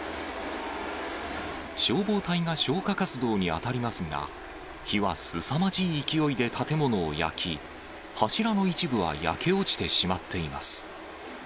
消防隊が消火活動に当たりますが、火はすさまじい勢いで建物を焼き、柱の一部は焼け落ちてしまっています。